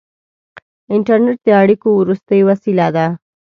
• انټرنېټ د اړیکو وروستۍ وسیله ده.